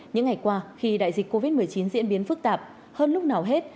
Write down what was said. những ngày qua khi đại dịch covid một mươi chín diễn biến phức tạp hơn lúc nào hết